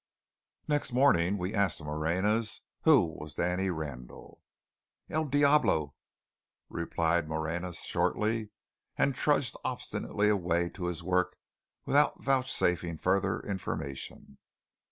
Next morning we asked the Moreñas who was Danny Randall. "El diabolo," replied Moreña shortly; and trudged obstinately away to his work without vouchsafing further information.